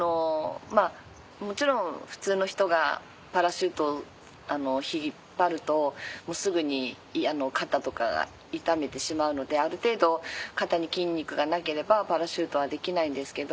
もちろん普通の人がパラシュートを引っ張るとすぐに肩とかが痛めてしまうのである程度肩に筋肉がなければパラシュートはできないんですけど。